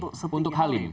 terlalu tinggi untuk halim